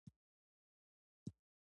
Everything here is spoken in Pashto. د پښتنو په کلتور کې د بزګرۍ کسب سپیڅلی دی.